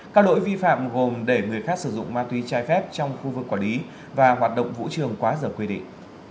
các lỗi vi phạm gồm để người khác sử dụng ma túy trái phép trong khu vực quản lý và hoạt động vũ trường quá dở quy định